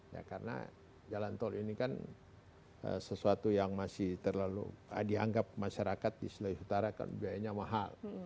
ya karena jalan tol ini kan sesuatu yang masih terlalu dianggap masyarakat di sulawesi utara kan biayanya mahal